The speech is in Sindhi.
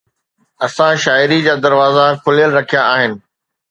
اسان شاعري جا دروازا کليل رکيا آهن